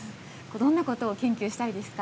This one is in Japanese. どんなことを研究したいですか？